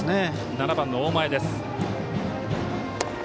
７番、大前です。